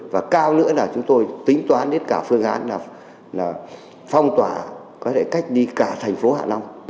và cao nữa là chúng tôi tính toán đến cả phương án là phong tỏa có thể cách đi cả thành phố hạ long